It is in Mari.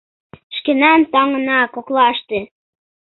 Шкенан таҥна коклаште.